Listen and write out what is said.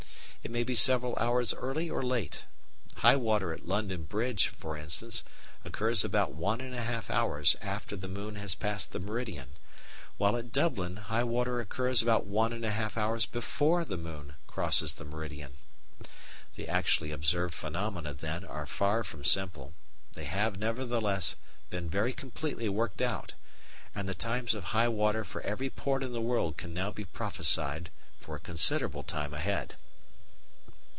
It may be several hours early or late. High water at London Bridge, for instance, occurs about one and a half hours after the moon has passed the meridian, while at Dublin high water occurs about one and a half hours before the moon crosses the meridian. The actually observed phenomena, then, are far from simple; they have, nevertheless, been very completely worked out, and the times of high water for every port in the world can now be prophesied for a considerable time ahead.